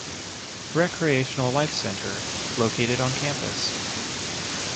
Recreational Life Center, located on campus.